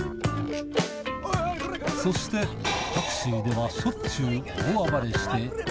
そして、タクシーではしょっちゅう大暴れして。